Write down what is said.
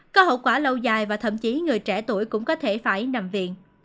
có hậu quả lâu dài và thậm chí người trẻ tuổi cũng có thể phải nằm viện